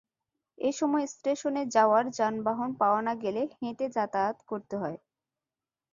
এ সময় স্টেশনে যাওয়ার যানবাহন পাওয়া না গেলে হেঁটে যাতায়াত করতে হয়।